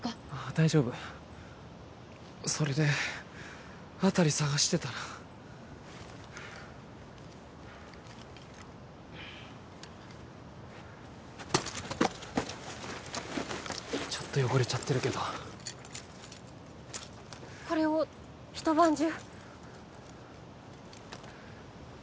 大丈夫それで辺り捜してたらちょっと汚れちゃってるけどこれを一晩中？